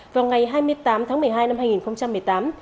vào ngày hai mươi tám tháng một mươi hai năm hai nghìn một mươi tám